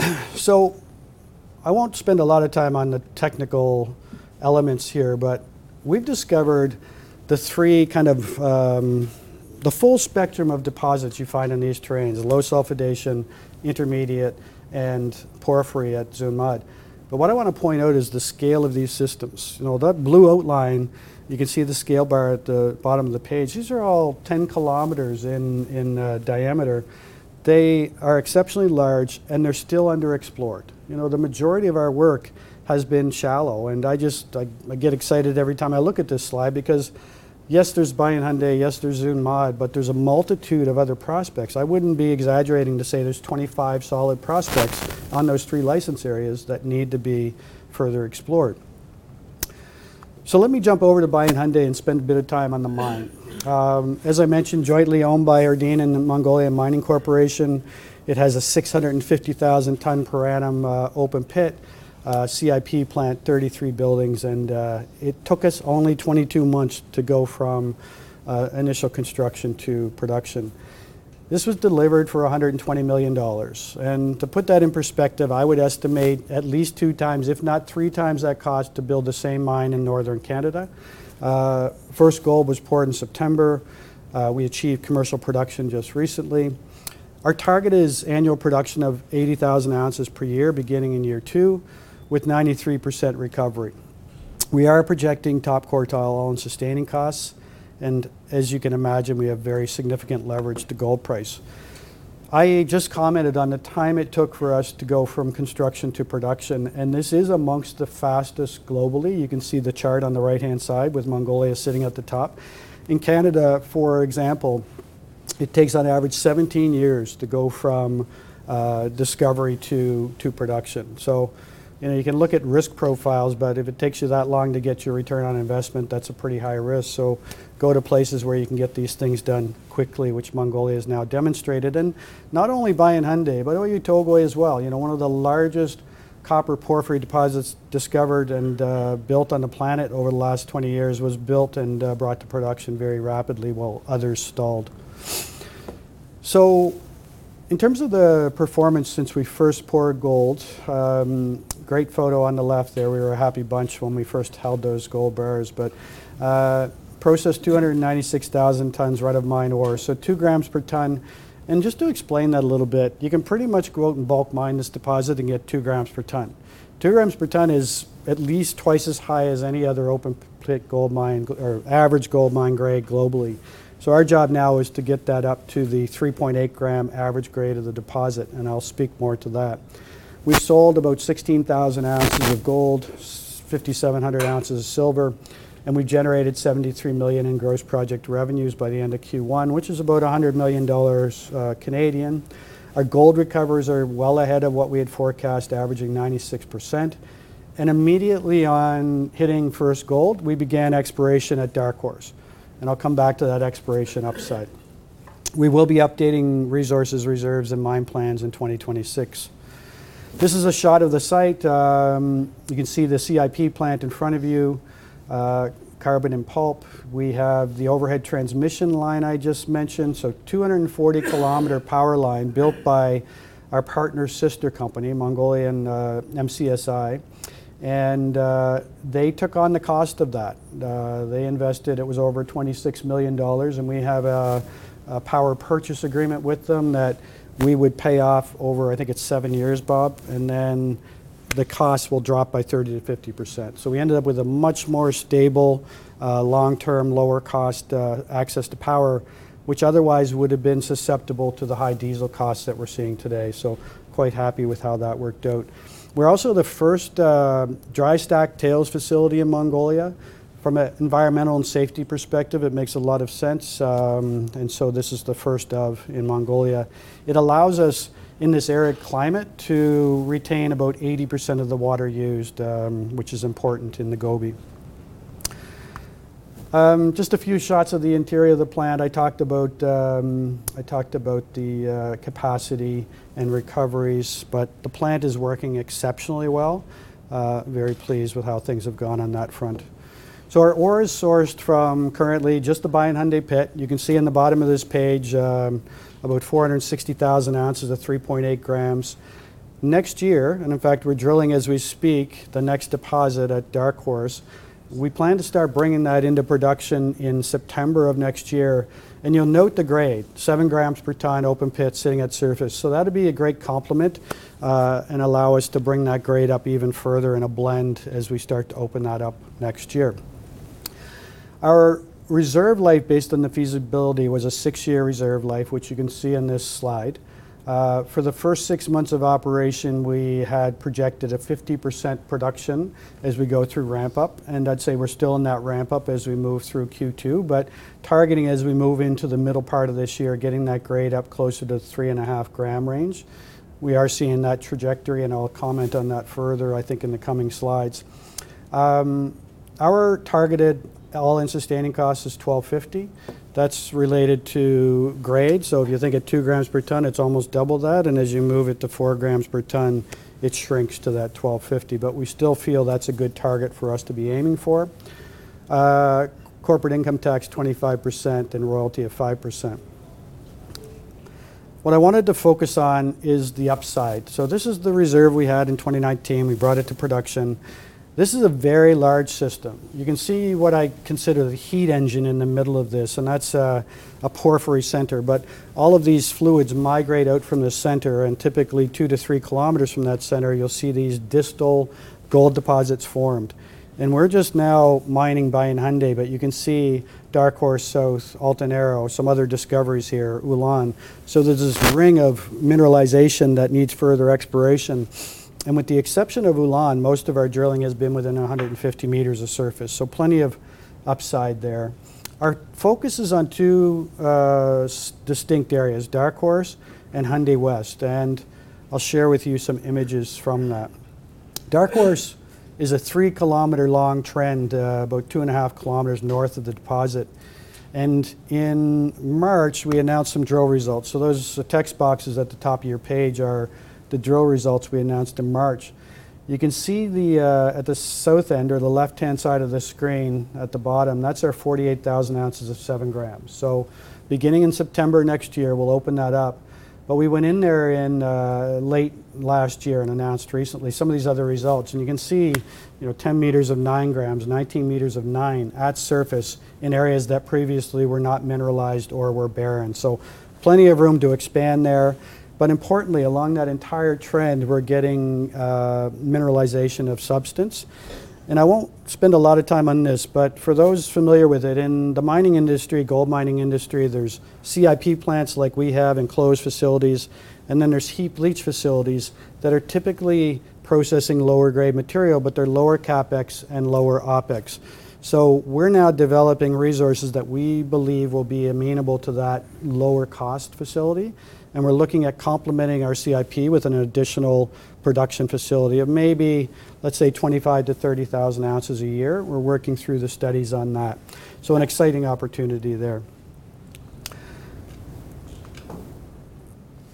I won't spend a lot of time on the technical elements here, but we've discovered the full spectrum of deposits you find in these terrains, the low sulfidation, intermediate, and porphyry at Zuun Mod. What I want to point out is the scale of these systems. That blue outline, you can see the scale bar at the bottom of the page. These are all 10 km in diameter. They are exceptionally large, and they're still under explored. The majority of our work has been shallow, and I get excited every time I look at this slide because, yes, there's Bayan Khundii, yes, there's Zuun Mod, but there's a multitude of other prospects. I wouldn't be exaggerating to say there's 25 solid prospects on those three license areas that need to be further explored. Let me jump over to Bayan Khundii and spend a bit of time on the mine. As I mentioned, jointly owned by Erdene and the Mongolian Mining Corporation. It has a 650,000 ton per annum open pit, CIP plant, 33 buildings. It took us only 22 months to go from initial construction to production. This was delivered for 120 million dollars. To put that in perspective, I would estimate at least two times, if not three times that cost to build the same mine in northern Canada. First gold was poured in September. We achieved commercial production just recently. Our target is annual production of 80,000 ounces per year, beginning in year two, with 93% recovery. We are projecting top quartile all-in sustaining costs. As you can imagine, we have very significant leverage to gold price. I just commented on the time it took for us to go from construction to production. This is amongst the fastest globally. You can see the chart on the right-hand side with Mongolia sitting at the top. In Canada, for example, it takes on average 17 years to go from discovery to production. You can look at risk profiles, but if it takes you that long to get your return on investment, that's a pretty high risk. Go to places where you can get these things done quickly, which Mongolia has now demonstrated. Not only Bayan Khundii but Oyu Tolgoi as well. One of the largest copper porphyry deposits discovered and built on the planet over the last 20 years was built and brought to production very rapidly while others stalled. In terms of the performance since we first poured gold, great photo on the left there. We were a happy bunch when we first held those gold bars. Processed 296,000 tons run of mine ore, so two grams per ton. Just to explain that a little bit, you can pretty much go out and bulk mine this deposit and get 2 grams per ton. 2 grams per ton is at least twice as high as any other open pit gold mine or average gold mine grade globally. Our job now is to get that up to the 3.8 gram average grade of the deposit, and I'll speak more to that. We sold about 16,000 ounces of gold, 5,700 ounces of silver, and we generated 73 million in gross project revenues by the end of Q1, which is about 100 million dollars. Our gold recovers are well ahead of what we had forecast, averaging 96%. Immediately on hitting first gold, we began exploration at Dark Horse, and I'll come back to that exploration upside. We will be updating resources, reserves, and mine plans in 2026. This is a shot of the site. You can see the CIP plant in front of you, Carbon in pulp. We have the overhead transmission line I just mentioned, 240 km power line built by our partner sister company, MCS Energy, and they took on the cost of that. They invested, it was over 26 million dollars, and we have a power purchase agreement with them that we would pay off over, I think it's seven years, Bob, and then the cost will drop by 30%-50%. We ended up with a much more stable, long-term, lower cost access to power, which otherwise would have been susceptible to the high diesel costs that we're seeing today. Quite happy with how that worked out. We're also the first dry stack tailings facility in Mongolia. From an environmental and safety perspective, it makes a lot of sense. This is the first of in Mongolia. It allows us, in this arid climate, to retain about 80% of the water used, which is important in the Gobi. Just a few shots of the interior of the plant. I talked about the capacity and recoveries. The plant is working exceptionally well. Very pleased with how things have gone on that front. Our ore is sourced from currently just the Bayan Khundii pit. You can see in the bottom of this page, about 460,000 ounces of 3.8 grams. Next year, and in fact, we're drilling as we speak, the next deposit at Dark Horse. We plan to start bringing that into production in September of next year. You'll note the grade, 7 grams per ton open pit sitting at surface. That'd be a great complement, and allow us to bring that grade up even further in a blend as we start to open that up next year. Our reserve life based on the feasibility was a six-year reserve life, which you can see in this slide. For the first six months of operation, we had projected a 50% production as we go through ramp-up, and I'd say we're still in that ramp-up as we move through Q2. Targeting as we move into the middle part of this year, getting that grade up closer to the 3.5 gram range. We are seeing that trajectory, and I'll comment on that further, I think, in the coming slides. Our targeted All-in Sustaining Cost is 1,250. That's related to grade, so if you think at 2 grams per ton, it's almost double that, and as you move it to 4 grams per ton, it shrinks to that 1,250. We still feel that's a good target for us to be aiming for. Corporate income tax 25% and royalty of 5%. What I wanted to focus on is the upside. This is the reserve we had in 2019. We brought it to production. This is a very large system. You can see what I consider the heat engine in the middle of this, and that's a porphyry center. All of these fluids migrate out from the center, and typically 2-3 km from that center, you'll see these distal gold deposits formed. We're just now mining Bayan Khundii, but you can see Dark Horse South, Altan Nar, some other discoveries here, Ulaan. There's this ring of mineralization that needs further exploration. With the exception of Ulaan, most of our drilling has been within 150 meters of surface, plenty of upside there. Our focus is on two distinct areas, Dark Horse and Khundii West, and I'll share with you some images from that. Dark Horse is a 3 km long trend about 2.5 km North of the deposit. In March, we announced some drill results. Those text boxes at the top of your page are the drill results we announced in March. You can see at the south end or the left-hand side of the screen, at the bottom, that's our 48,000 ounces of seven grams. Beginning in September next year, we'll open that up. We went in there late last year and announced recently some of these other results, and you can see 10 meters of 9 grams, 19 meters of nine at surface in areas that previously were not mineralized or were barren. Plenty of room to expand there. Importantly, along that entire trend, we're getting mineralization of substance. I won't spend a lot of time on this, but for those familiar with it, in the gold mining industry, there's CIP plants like we have enclosed facilities, and then there's heap leach facilities that are typically processing lower-grade material, but they're lower CapEx and lower OpEx. We're now developing resources that we believe will be amenable to that lower-cost facility, and we're looking at complementing our CIP with an additional production facility of maybe, let's say, 25,000-30,000 ounces a year. We're working through the studies on that. An exciting opportunity there.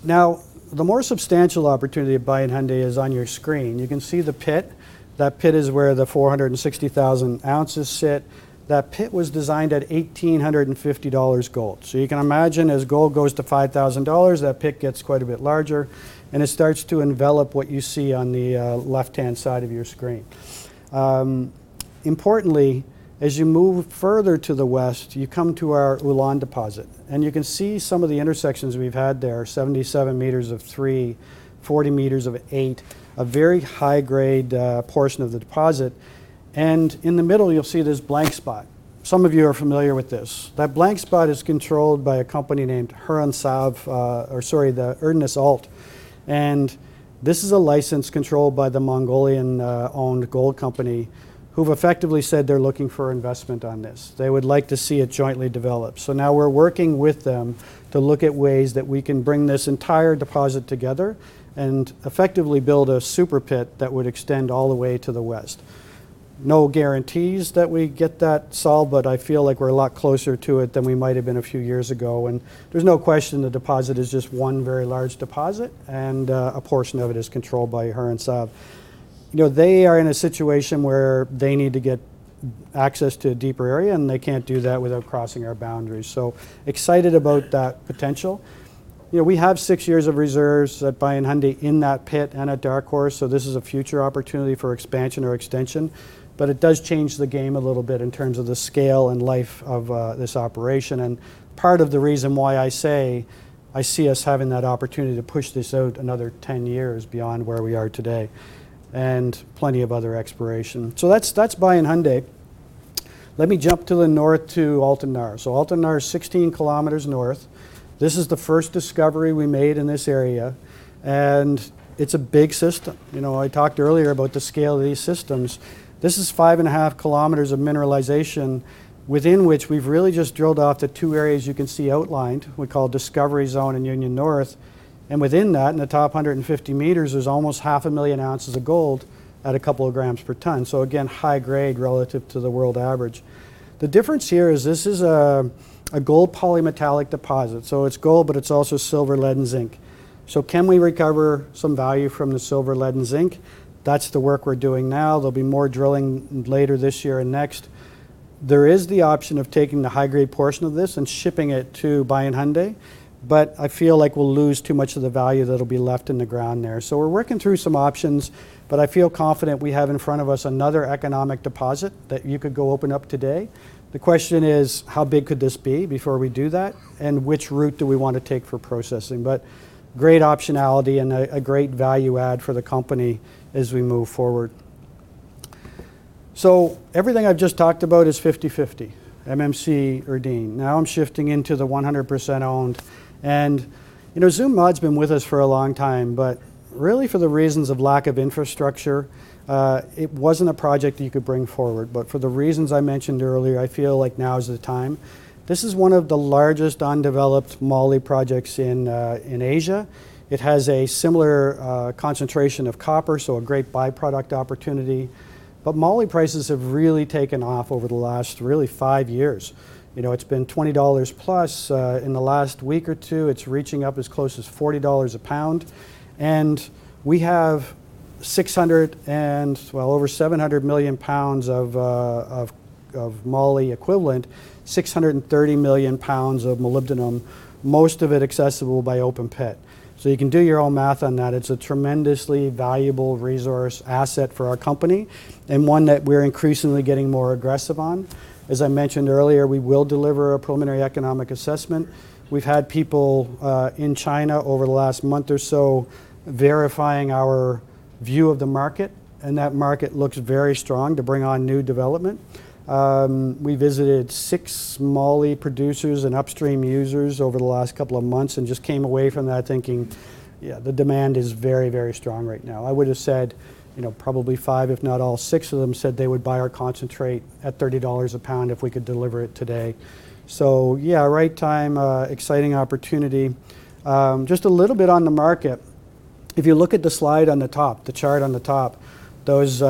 The more substantial opportunity at Bayan Khundii is on your screen. You can see the pit. That pit is where the 460,000 ounces sit. That pit was designed at 1,850 dollars gold. You can imagine as gold goes to 5,000 dollars, that pit gets quite a bit larger, and it starts to envelop what you see on the left-hand side of your screen. Importantly, as you move further to the west, you come to our Ulaan deposit, and you can see some of the intersections we've had there, 77 meters of three, 40 meters of eight, a very high-grade portion of the deposit. In the middle, you'll see this blank spot. Some of you are familiar with this. That blank spot is controlled by a company named Erdenes Alt. This is a license controlled by the Mongolian-owned gold company, who've effectively said they're looking for investment on this. They would like to see it jointly developed. Now we're working with them to look at ways that we can bring this entire deposit together and effectively build a super pit that would extend all the way to the west. No guarantees that we get that solved. I feel like we're a lot closer to it than we might have been a few years ago. There's no question the deposit is just one very large deposit, and a portion of it is controlled by Erdenes Alt. They are in a situation where they need to get access to a deeper area. They can't do that without crossing our boundaries. Excited about that potential. We have six years of reserves at Bayan Khundii in that pit and at Dark Horse. This is a future opportunity for expansion or extension. It does change the game a little bit in terms of the scale and life of this operation. Part of the reason why I say I see us having that opportunity to push this out another 10 years beyond where we are today. Plenty of other exploration. That's Bayan Khundii. Let me jump to the north to Altan Nar. Altan Nar is 16 km north. This is the first discovery we made in this area. It's a big system. I talked earlier about the scale of these systems. This is 5.5 km of mineralization within which we've really just drilled out the two areas you can see outlined, we call Discovery Zone and Union North. Within that, in the top 150 meters, there's almost half a million ounces of gold at a couple of grams per ton. Again, high grade relative to the world average. The difference here is this is a gold polymetallic deposit, so it's gold, but it's also silver, lead, and zinc. Can we recover some value from the silver, lead, and zinc? That's the work we're doing now. There'll be more drilling later this year and next. There is the option of taking the high-grade portion of this and shipping it to Bayan Khundii, but I feel like we'll lose too much of the value that'll be left in the ground there. We're working through some options, but I feel confident we have in front of us another economic deposit that you could go open up today. The question is, how big could this be before we do that, and which route do we want to take for processing? Great optionality and a great value add for the company as we move forward. Everything I've just talked about is 50/50, MMC, Erdene. Now I'm shifting into the 100% owned. Zuun Mod's been with us for a long time, but really for the reasons of lack of infrastructure, it wasn't a project you could bring forward. For the reasons I mentioned earlier, I feel like now is the time. This is one of the largest undeveloped moly projects in Asia. It has a similar concentration of copper, so a great by-product opportunity. Moly prices have really taken off over the last really five years. It's been 20+ dollars. In the last week or two, it's reaching up as close as 40 dollars a pound, and we have 600 and well over 700 million pounds of Moly equivalent, 630 million pounds of molybdenum, most of it accessible by open pit. You can do your own math on that. It's a tremendously valuable resource asset for our company, and one that we're increasingly getting more aggressive on. As I mentioned earlier, we will deliver a preliminary economic assessment. We've had people in China over the last month or so verifying our view of the market, and that market looks very strong to bring on new development. We visited six Moly producers and upstream users over the last couple of months and just came away from that thinking, yeah, the demand is very, very strong right now. I would have said, probably five if not all six of them said they would buy our concentrate at 30 million dollars a pound if we could deliver it today. Yeah, right time, exciting opportunity. Just a little bit on the market. If you look at the slide on the top, the chart on the top, those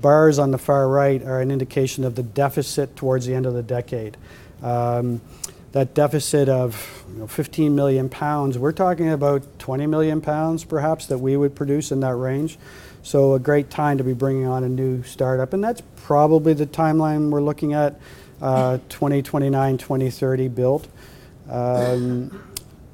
bars on the far right are an indication of the deficit towards the end of the decade. That deficit of 15 million pounds, we're talking about 20 million pounds perhaps that we would produce in that range. A great time to be bringing on a new startup. That's probably the timeline we're looking at, 2029, 2030 build.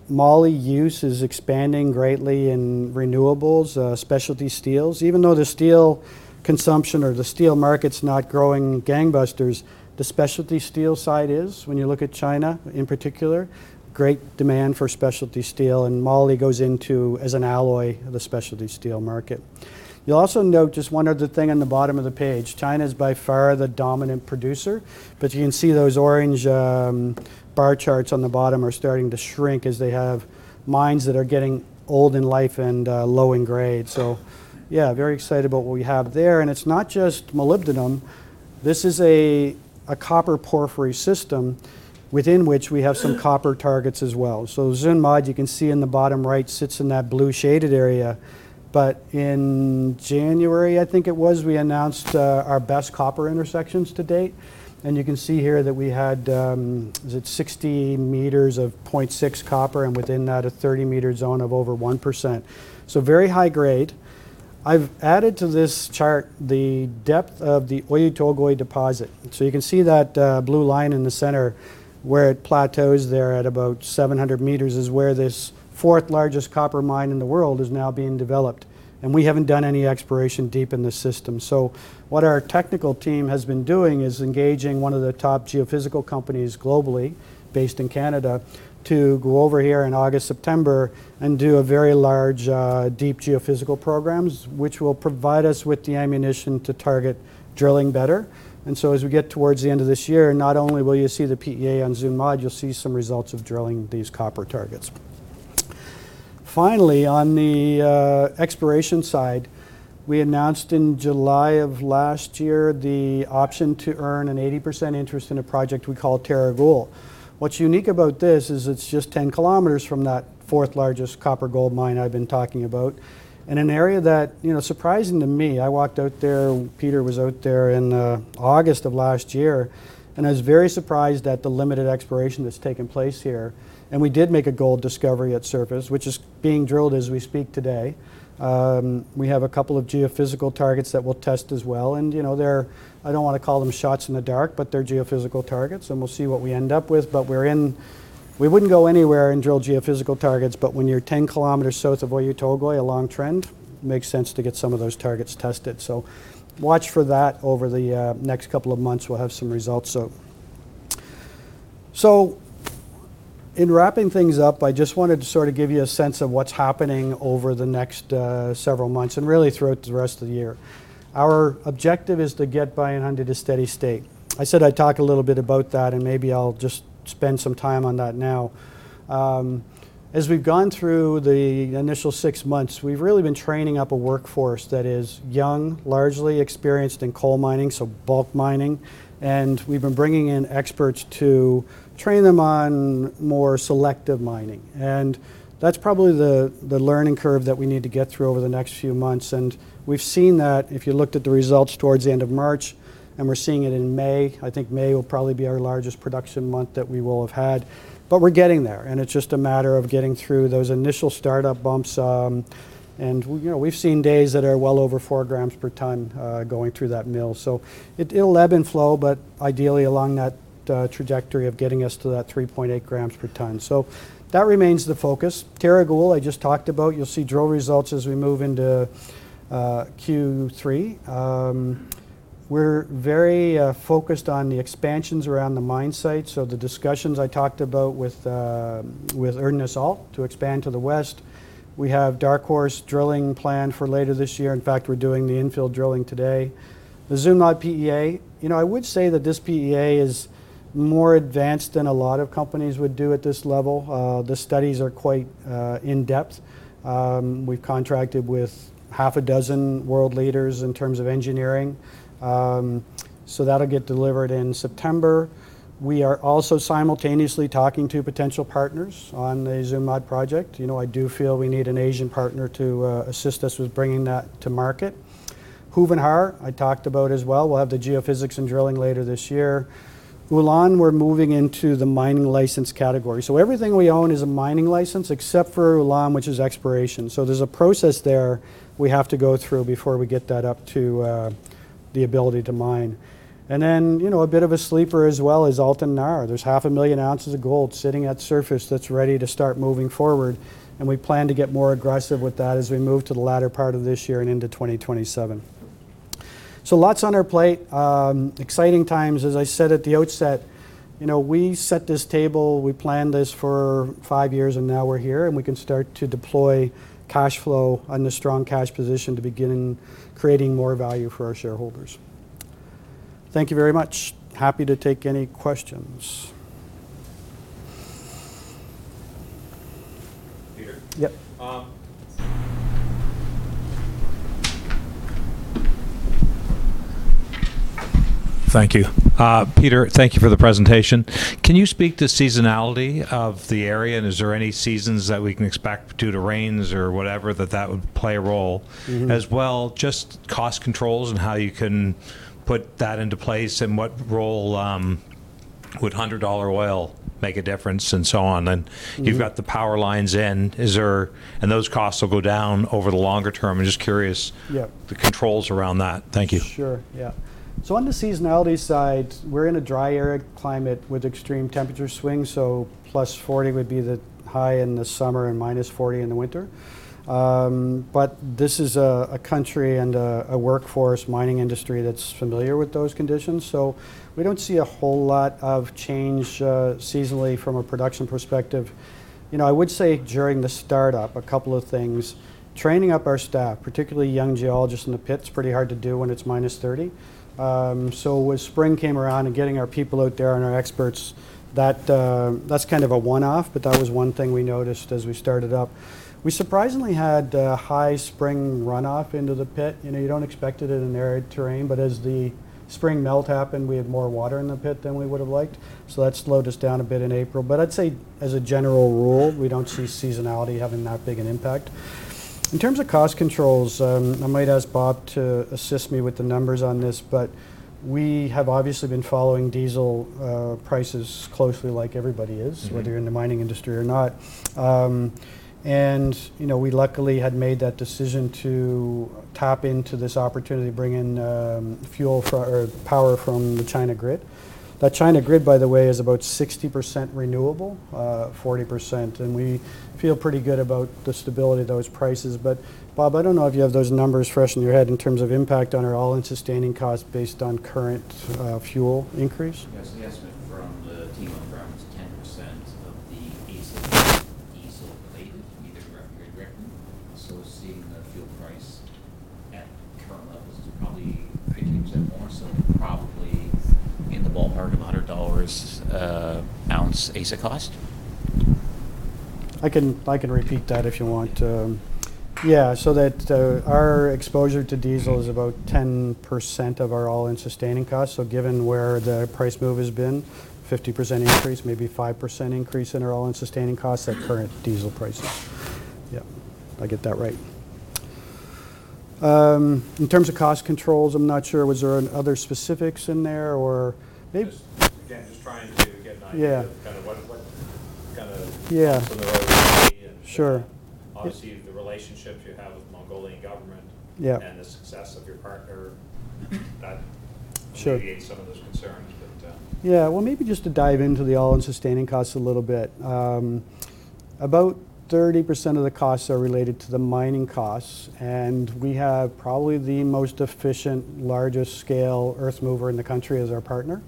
Moly use is expanding greatly in renewables, specialty steels. Even though the steel consumption or the steel market's not growing gangbusters, the specialty steel side is. When you look at China in particular, great demand for specialty steel, Moly goes into as an alloy, the specialty steel market. You'll also note just one other thing on the bottom of the page. China's by far the dominant producer, you can see those orange bar charts on the bottom are starting to shrink as they have mines that are getting old in life and low in grade. Yeah, very excited about what we have there. It's not just molybdenum. This is a copper porphyry system within which we have some copper targets as well. Zuun Mod, you can see in the bottom right sits in that blue shaded area. In January, I think it was, we announced our best copper intersections to date. You can see here that we had 60 meters of 0.6 copper, and within that, a 30-meter zone of over 1%. Very high grade. I've added to this chart the depth of the Oyu Tolgoi deposit. You can see that blue line in the center where it plateaus there at about 700 meters is where this fourth-largest copper mine in the world is now being developed. We haven't done any exploration deep in the system. What our technical team has been doing is engaging one of the top geophysical companies globally, based in Canada, to go over here in August, September, and do a very large, deep geophysical programs, which will provide us with the ammunition to target drilling better. As we get towards the end of this year, not only will you see the PEA on Zuun Mod, you'll see some results of drilling these copper targets. Finally, on the exploration side, we announced in July of last year the option to earn an 80% interest in a project we call Tereg Uul. What's unique about this is it's just 10 km from that fourth-largest copper-gold mine I've been talking about, in an area that, surprising to me, I walked out there, Peter was out there in August of last year, and I was very surprised at the limited exploration that's taken place here. We did make a gold discovery at surface, which is being drilled as we speak today. We have a couple of geophysical targets that we'll test as well. I don't want to call them shots in the dark, but they're geophysical targets, and we'll see what we end up with. We wouldn't go anywhere and drill geophysical targets, but when you're 10 km south of Oyu Tolgoi, a long trend, makes sense to get some of those targets tested. Watch for that over the next couple of months. We'll have some results. In wrapping things up, I just wanted to sort of give you a sense of what's happening over the next several months, and really throughout the rest of the year. Our objective is to get Bayan Khundii to steady state. I said I'd talk a little bit about that, and maybe I'll just spend some time on that now. As we've gone through the initial six months, we've really been training up a workforce that is young, largely experienced in coal mining, so bulk mining, and we've been bringing in experts to train them on more selective mining. That's probably the learning curve that we need to get through over the next few months. We've seen that if you looked at the results towards the end of March, and we're seeing it in May. I think May will probably be our largest production month that we will have had, but we're getting there, and it's just a matter of getting through those initial startup bumps. We've seen days that are well over 4 grams per ton going through that mill. It'll ebb and flow, but ideally along that trajectory of getting us to that 3.8 grams per ton. That remains the focus. Tereg Uul, I just talked about. You'll see drill results as we move into Q3. We're very focused on the expansions around the mine site. The discussions I talked about with Erdenes [INAUDIBLE] to expand to the west. We have Dark Horse drilling planned for later this year. In fact, we're doing the infill drilling today. The Zuun Mod PEA, I would say that this PEA is more advanced than a lot of companies would do at this level. The studies are quite in-depth. We've contracted with half a dozen world leaders in terms of engineering. That'll get delivered in September. We are also simultaneously talking to potential partners on the Zuun Mod project. I do feel we need an Asian partner to assist us with bringing that to market. Khuvyn Khar, I talked about as well. We'll have the geophysics and drilling later this year. Ulaan, we are moving into the mining license category. Everything we own is a mining license except for Ulaan, which is exploration. There is a process there we have to go through before we get that up to the ability to mine. A bit of a sleeper as well is Altan Nar. There is half a million ounces of gold sitting at surface that is ready to start moving forward, and we plan to get more aggressive with that as we move to the latter part of this year and into 2027. Lots on our plate. Exciting times. As I said at the outset, we set this table, we planned this for five years, and now we are here, and we can start to deploy cash flow and a strong cash position to begin creating more value for our shareholders. Thank you very much. Happy to take any questions. Peter? Yep. Thank you. Peter, thank you for the presentation. Can you speak to seasonality of the area, is there any seasons that we can expect due to rains or whatever that would play a role? Just cost controls and how you can put that into place, and what role would 100 dollar oil make a difference and so on. You've got the power lines in. Those costs will go down over the longer term? I'm just curious the controls around that. Thank you. Sure, yeah. On the seasonality side, we're in a dry, arid climate with extreme temperature swings, +40 degrees Celsius would be the high in the summer and -40 degrees Celsius in the winter. This is a country and a workforce mining industry that's familiar with those conditions. We don't see a whole lot of change seasonally from a production perspective. I would say during the startup, a couple of things, training up our staff, particularly young geologists in the pit, is pretty hard to do when it's -30 degrees Celsius. When spring came around and getting our people out there and our experts, that's kind of a one-off, but that was one thing we noticed as we started up. We surprisingly had a high spring runoff into the pit. You don't expect it in an arid terrain, but as the spring melt happened, we had more water in the pit than we would've liked. That slowed us down a bit in April. I'd say as a general rule, we don't see seasonality having that big an impact. In terms of cost controls, I might ask Bob to assist me with the numbers on this, but we have obviously been following diesel prices closely like everybody is. Whether you're in the mining industry or not. We luckily had made that decision to tap into this opportunity to bring in power from the China grid. That China grid, by the way, is about 60% renewable, 40%, and we feel pretty good about the stability of those prices. Bob Jenkins, I don't know if you have those numbers fresh in your head in terms of impact on our all-in sustaining cost based on current fuel increase. Yes, the estimate from the team on the ground is 10% of the AISC is diesel related, either directly or indirectly. Seeing the fuel price at current levels is probably 15% more, so probably in the ballpark of CAD 100 ounce AISC cost. I can repeat that if you want. Our exposure to diesel is about 10% of our all-in sustaining costs. Given where the price move has been, 50% increase, maybe 5% increase in our all-in sustaining costs at current diesel prices. If I get that right. In terms of cost controls, I'm not sure. Was there other specifics in there, or maybe. Just again, just trying to get an idea what kind of costs on the road are going to be. Sure. Obviously the relationships you have with the Mongolian government. Yeah. The success of your partner and alleviates some of those concerns, but. Yeah. Well, maybe just to dive into the all-in sustaining costs a little bit. About 30% of the costs are related to the mining costs, and we have probably the most efficient, largest scale earth mover in the country as our partner.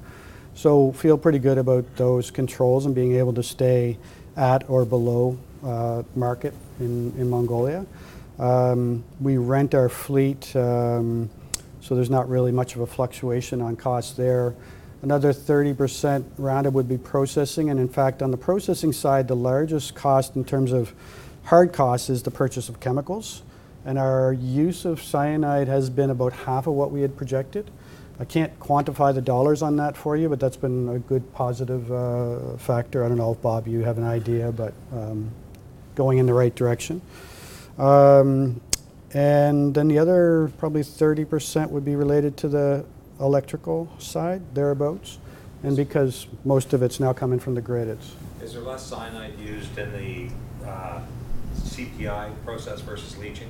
Feel pretty good about those controls and being able to stay at or below market in Mongolia. We rent our fleet, so there's not really much of a fluctuation on cost there. Another 30%, rounded, would be processing, and in fact, on the processing side, the largest cost in terms of hard cost is the purchase of chemicals. Our use of cyanide has been about half of what we had projected. I can't quantify the Canadian dollars on that for you, but that's been a good positive factor. I don't know if, Bob Jenkins, you have an idea, but going in the right direction. The other probably 30% would be related to the electrical side, thereabouts. Because most of it's now coming from the grid. Is there less cyanide used in the CIP process versus leaching?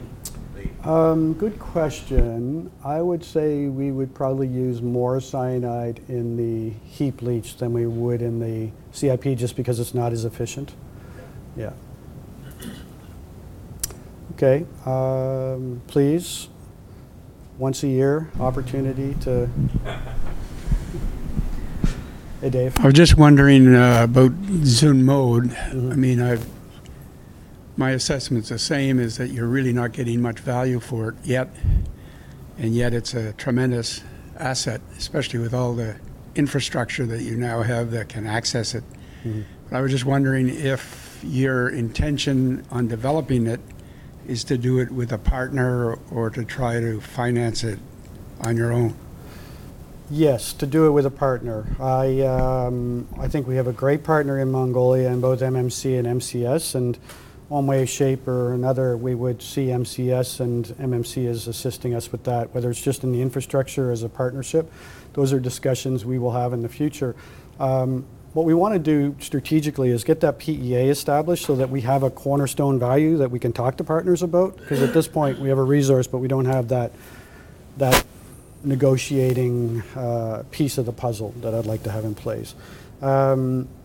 Good question. I would say we would probably use more cyanide in the heap leach than we would in the CIP just because it's not as efficient. Okay. Yeah. Okay. Please, once a year opportunity to Hey, Dave. I was just wondering about Zuun Mod. My assessment's the same, is that you're really not getting much value for it yet, and yet it's a tremendous asset, especially with all the infrastructure that you now have that can access it. I was just wondering if your intention on developing it is to do it with a partner or to try to finance it on your own? Yes, to do it with a partner. I think we have a great partner in Mongolia in both MMC and MCS, and one way, shape, or another, we would see MCS and MMC as assisting us with that, whether it's just in the infrastructure as a partnership. Those are discussions we will have in the future. What we want to do strategically is get that PEA established so that we have a cornerstone value that we can talk to partners about. At this point, we have a resource, but we don't have that negotiating piece of the puzzle that I'd like to have in place.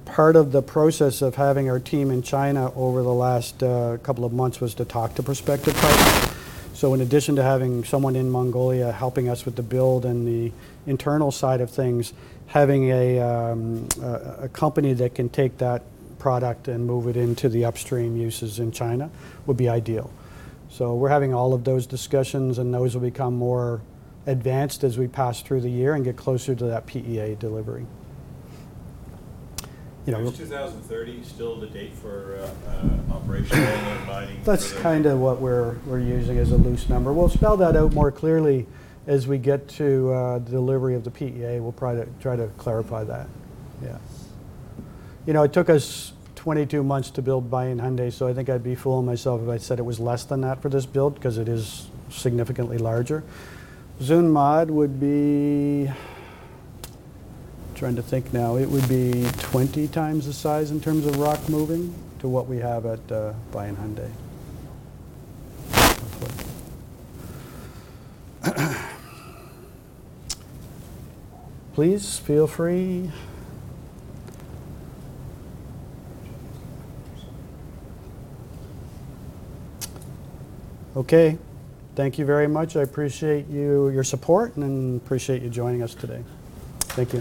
Part of the process of having our team in China over the last couple of months was to talk to prospective partners. In addition to having someone in Mongolia helping us with the build and the internal side of things, having a company that can take that product and move it into the upstream uses in China would be ideal. We're having all of those discussions, and those will become more advanced as we pass through the year and get closer to that PEA delivery. Is 2030 still the date for operational at Bayan Khundii? That's kind of what we're using as a loose number. We'll spell that out more clearly as we get to the delivery of the PEA. We'll try to clarify that. Yeah. It took us 22 months to build Bayan Khundii, so I think I'd be fooling myself if I said it was less than that for this build because it is significantly larger. Zuun Mod would be, trying to think now. It would be 20x the size in terms of rock moving to what we have at Bayan Khundii. Please feel free. Okay. Thank you very much. I appreciate your support and appreciate you joining us today. Thank you.